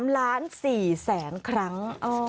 ๓ล้าน๔แสนครั้ง